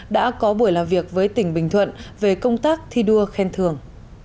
đã có buổi làm việc với tỉnh bình thuận về công tác thi đua khen thường